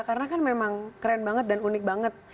karena kan memang keren banget dan unik banget